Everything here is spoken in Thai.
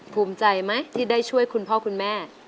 ภูมิใจไหมที่ได้ช่วยคุณพ่อคุณแม่